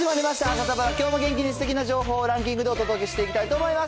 サタプラ、きょうも元気にすてきな情報をランキングでお届けしていきたいと思います。